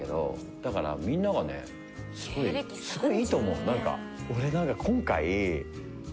だからみんながねすごいすごいいいと思うなんか。